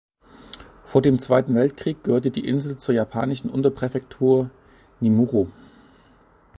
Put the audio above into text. Vor dem Zweiten Weltkrieg gehörte die Insel zur japanischen Unterpräfektur Nemuro.